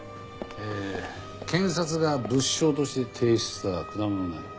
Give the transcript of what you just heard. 検察が物証として提出した果物ナイフ。